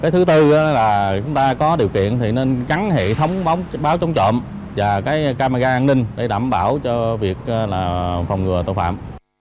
thứ tư là chúng ta có điều kiện thì nên gắn hệ thống báo chống trộm và cái camera an ninh để đảm bảo cho việc là phòng ngừa tội phạm